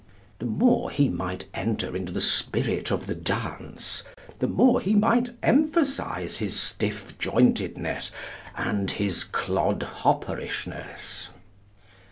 The more he might enter into the spirit of the dance, the more he might emphasize his stiff jointedness and his clodhopperishness.